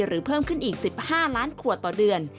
เพิ่มขึ้นอีก๑๕ล้านขวดต่อเดือน